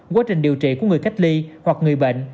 quá trình điều trị của người cách ly hoặc người bệnh